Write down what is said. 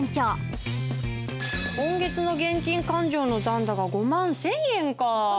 今月の現金勘定の残高５万１，０００円かあ。